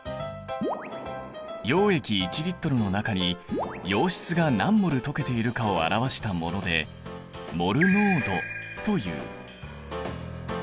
溶液１Ｌの中に溶質が何ｍｏｌ溶けているかを表したものでモル濃度という。